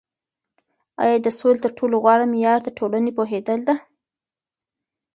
آیا د سولي تر ټولو غوره معیار د ټولني پوهیدل ده؟